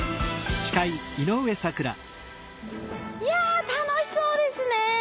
いや楽しそうですね！